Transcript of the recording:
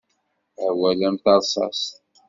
Awal am terṣṣaṣt.